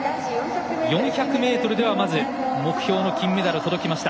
４００メートルでは、まず目標の金メダルに届きました。